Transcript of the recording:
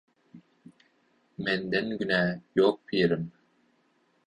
– Mеndе günä ýok pirim.